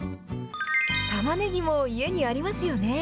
たまねぎも家にありますよね。